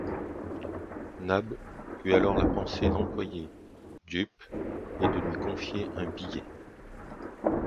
Nab eut alors la pensée d’employer Jup et de lui confier un billet.